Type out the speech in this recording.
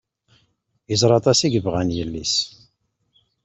Yeẓra aṭas i yebɣan yelli-s.